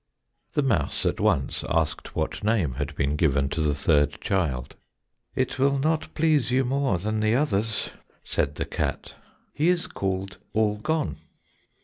The mouse at once asked what name had been given to the third child. "It will not please you more than the others," said the cat. "He is called All gone."